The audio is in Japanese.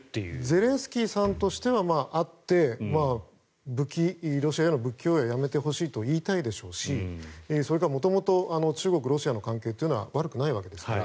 ゼレンスキーさんとしては会って、ロシアへの武器供与はやめてほしいと言いたいでしょうしそれから元々中国、ロシアの関係は悪くないですから。